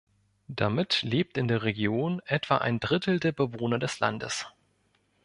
Damit lebt in der Region etwa ein Drittel der Bewohner des Landes.